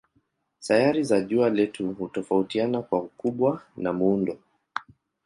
Sayari za jua letu hutofautiana kwa ukubwa na muundo.